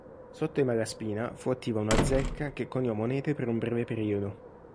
Sotto i Malaspina fu attiva una zecca che coniò monete per un breve periodo.